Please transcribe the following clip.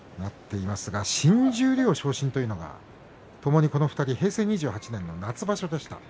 新十両昇進というのがともにこの２人平成２８年の夏場所でした。